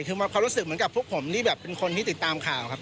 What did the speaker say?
คือความรู้สึกเหมือนกับพวกผมที่แบบเป็นคนที่ติดตามข่าวครับ